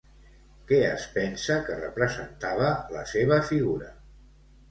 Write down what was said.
Què es pensa que representava la seva figura?